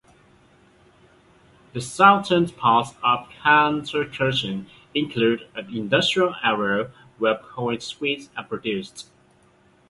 The southern parts of Kaltenkirchen include an industrial area where boiled sweets are produced.